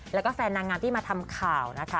แล้วก็แฟนนางงามที่มาทำข่าวนะคะ